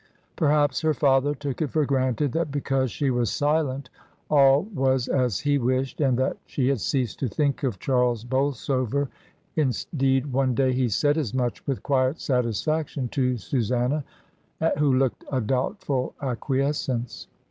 Perhaps her father took it for granted that because she was silent all was as he wished and that she had ceased to think of Charles Bolsover, indeed one day he said as much with quiet satisfaction to Susanna, who looked a doubtful acquiescence.